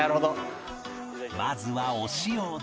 まずはお塩で